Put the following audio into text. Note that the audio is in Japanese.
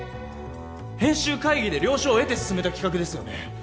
編集会議で了承を得て進めた企画ですよね